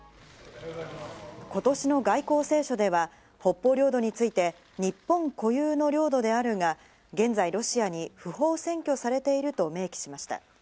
今年の外交青書では、北方領土について日本固有の領土であるが、現在ロシアに不法占拠されていると明記しました。